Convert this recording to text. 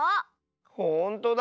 ほんとだ。